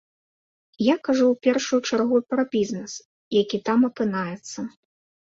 Я кажу ў першую чаргу пра бізнес, які там апынаецца.